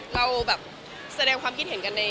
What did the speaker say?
เราแบบแสดงความคิดเห็นกันใน